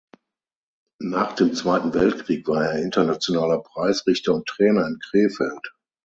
Nach dem Zweiten Weltkrieg war er internationaler Preisrichter und Trainer in Krefeld.